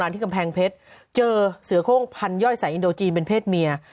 ที่กำแพงเพชรเจอเสือโครงพันย่อยสายอินโดจีนเป็นเพศเมีย